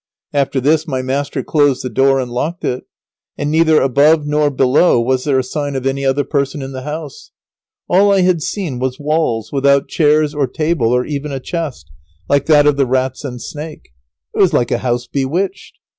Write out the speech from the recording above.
After this my master closed the door and locked it, and neither above nor below was there a sign of any other person in the house. All I had seen was walls, without chairs or table, or even a chest, like that of the rats and snake. It was like a house bewitched.